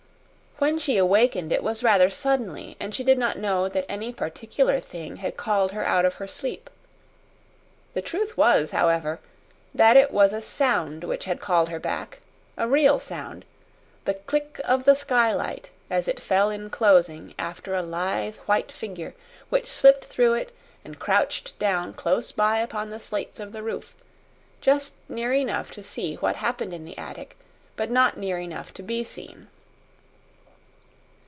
When she awakened it was rather suddenly, and she did not know that any particular thing had called her out of her sleep. The truth was, however, that it was a sound which had called her back a real sound the click of the skylight as it fell in closing after a lithe white figure which slipped through it and crouched down close by upon the slates of the roof just near enough to see what happened in the attic, but not near enough to be seen.